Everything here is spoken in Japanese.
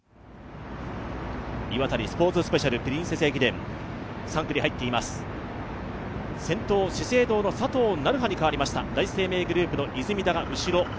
ＩＷＡＴＡＮＩスポーツスペシャルプリンセス駅伝、３区に入っています、先頭資生堂の佐藤成葉に変わりました第一生命グループの出水田が後ろ。